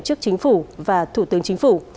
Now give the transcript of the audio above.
trước chính phủ và thủ tướng chính phủ